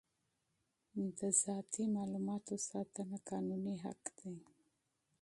د شخصي معلوماتو ساتنه قانوني مکلفیت دی.